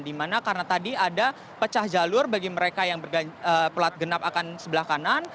dimana karena tadi ada pecah jalur bagi mereka yang berpelat genap akan sebelah kanan